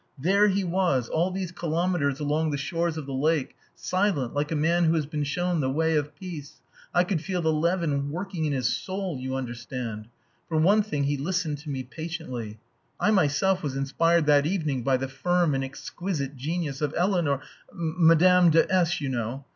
There he was, all these kilometres along the shores of the lake, silent, like a man who has been shown the way of peace. I could feel the leaven working in his soul, you understand. For one thing he listened to me patiently. I myself was inspired that evening by the firm and exquisite genius of Eleanor Madame de S , you know.